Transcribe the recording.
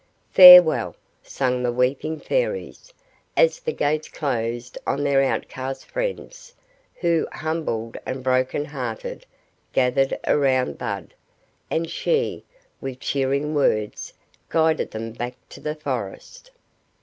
"Farewell!" sang the weeping Fairies, as the gates closed on their outcast friends; who, humbled and broken hearted, gathered around Bud; and she, with cheering words, guided them back to the forest.